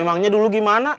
memangnya dulu gimana